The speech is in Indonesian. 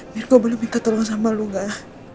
mir gue boleh minta tolong sama lu gak